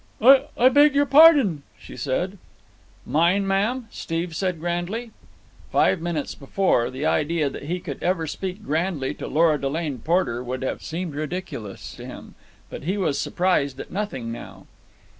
"I beg your pardon," she said. "Mine, ma'am?" said Steve grandly. Five minutes before, the idea that he could ever speak grandly to Lora Delane Porter would have seemed ridiculous to him; but he was surprised at nothing now.